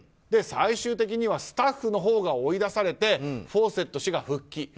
最終的にはスタッフのほうが追い出されてフォーセット氏が復帰。